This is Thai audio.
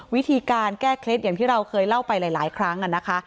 วิธีการแก้เคล็ดอย่างที่เราเคยเล่าไปหลายครั้งนะคะ